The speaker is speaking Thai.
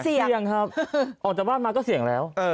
เสี่ยงครับออกจากบ้านมาก็เสี่ยงแล้ว